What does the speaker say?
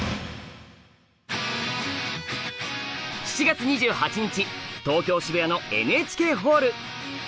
７月２８日東京・渋谷のＮＨＫホール。